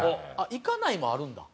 「いかない」もあるんだ。